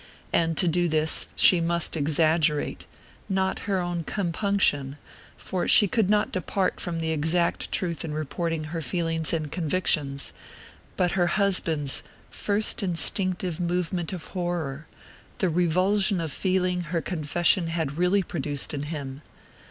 And to do this she must exaggerate, not her own compunction for she could not depart from the exact truth in reporting her feelings and convictions but her husband's first instinctive movement of horror, the revulsion of feeling her confession had really produced in him.